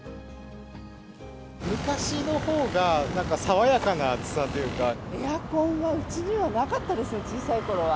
昔のほうがなんか爽やかな暑エアコンはうちにはなかったですね、小さいころは。